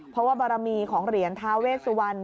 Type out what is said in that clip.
เพราะบารมีของเหรียญทาเวสวัน